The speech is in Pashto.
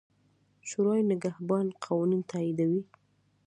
شورای نګهبان قوانین تاییدوي.